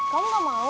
kamu gak mau